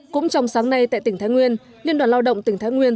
cũng trong sáng nay tại tỉnh thái nguyên liên đoàn lao động tỉnh thái nguyên